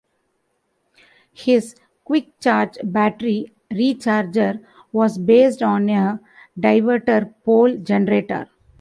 His "quickcharge" battery recharger was based on a diverter pole generator.